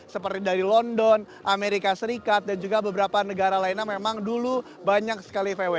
seperti dari london amerika serikat dan juga beberapa negara lainnya memang dulu banyak sekali vw